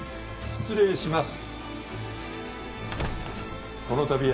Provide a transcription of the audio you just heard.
失礼致します。